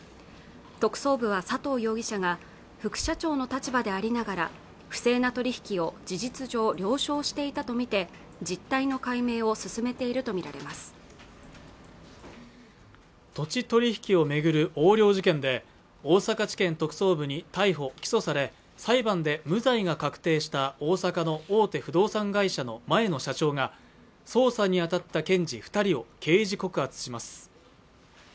特捜部は佐藤容疑者が副社長の立場でありながら不正な取引を事実上了承していたとみて実態の解明を進めていると見られます土地取引をめぐる横領事件で大阪地検特捜部に逮捕起訴され裁判で無罪が確定した大阪の大手不動産会社の前の社長が捜査に当たった検事二人を刑事告発します